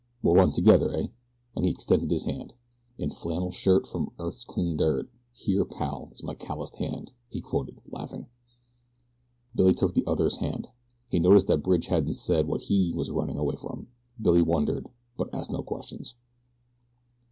We'll run together, eh?" and he extended his hand. "In flannel shirt from earth's clean dirt, here, pal, is my calloused hand!" he quoted, laughing. Billy took the other's hand. He noticed that Bridge hadn't said what HE was running away from. Billy wondered; but asked no questions.